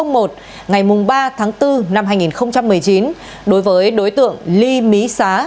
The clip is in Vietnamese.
ngày ba tháng bốn năm hai nghìn một mươi chín đối với đối tượng ly mí xá